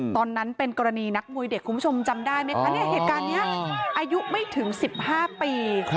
ตอนนั้นเป็นกรณีนักมวยเด็กคุณผู้ชมจำได้ไหมคะเนี่ยเหตุการณ์นี้อายุไม่ถึง๑๕ปี